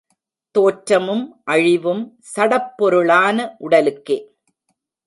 தோற்றமும் அழிவும் சடப்பொருளான உடலுக்கே.